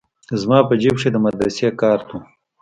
زما په جيب کښې د مدرسې کارت و.